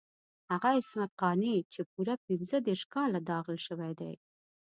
هغه عصمت قانع چې پوره پنځه دېرش کاله داغل شوی دی.